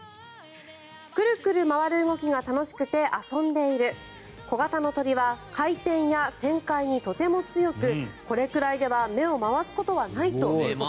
くるくる回る動きが楽しくて遊んでいる小型の鳥は回転や旋回にとても強くこれくらいでは目を回すことはないということです。